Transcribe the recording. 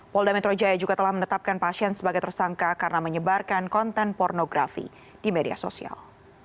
polda metro jaya juga telah menetapkan pasien sebagai tersangka karena menyebarkan konten pornografi di media sosial